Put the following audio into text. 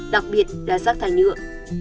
đặc biệt là rác thải nhựa